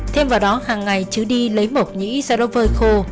thêm vào đó hằng ngày chứ đi lấy mộc nhĩ sau đó vơi khô